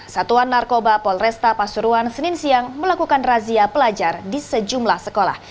satuan narkoba polresta pasuruan senin siang melakukan razia pelajar di sejumlah sekolah